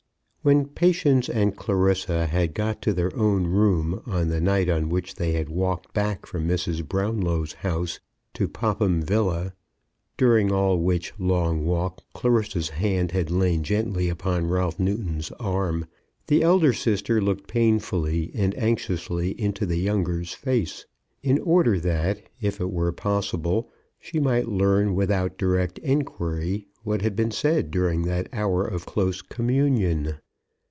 When Patience and Clarissa had got to their own room on the night on which they had walked back from Mrs. Brownlow's house to Popham Villa, during all which long walk Clarissa's hand had lain gently upon Ralph Newton's arm, the elder sister looked painfully and anxiously into the younger's face, in order that, if it were possible, she might learn without direct enquiry what had been said during that hour of close communion.